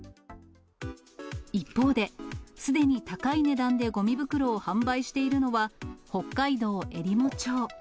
一方で、すでに高い値段でごみ袋を販売しているのは、北海道えりも町。